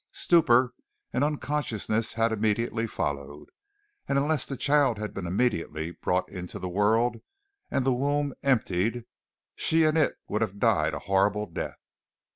Stupor and unconsciousness had immediately followed, and unless the child had been immediately brought into the world and the womb emptied, she and it would have died a horrible death.